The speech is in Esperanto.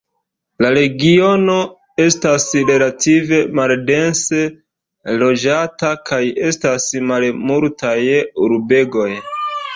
La regiono estas relative maldense loĝata, kaj estas malmultaj urbegoj.